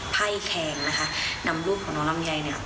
ไพ่แคงนะคะนำลูกของน้องลำไยเนี่ย